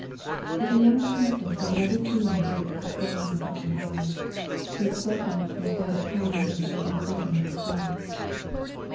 But the young princess had never seen the beautiful expres sion of her own eyes, the expression which they had at times when she was not thinking of herself.